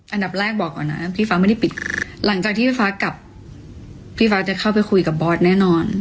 อันดับแรกบอกก่อนนะพี่ฟ้าไม่ได้ปิดหลังจากที่พี่ฟ้ากับพี่ฟ้าจะเข้าไปคุยกับบอสแน่นอน